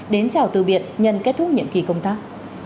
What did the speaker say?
đến chào từ biệt nhân kết thúc nhiệm kỳ công tác